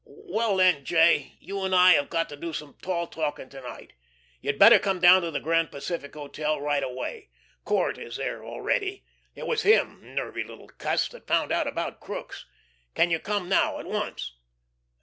"Well, then, J., you and I have got to do some tall talking to night. You'd better come down to the Grand Pacific Hotel right away. Court is there already. It was him, nervy little cuss, that found out about Crookes. Can you come now, at once?